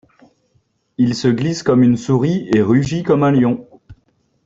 Il se glisse comme une souris et rugit comme un lion.